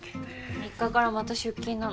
３日からまた出勤なの。